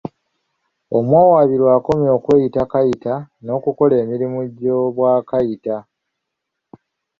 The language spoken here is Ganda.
Omuwawaabirwa akomye okweyita Kayita n'okukola emirimu gy'obwa Kayita.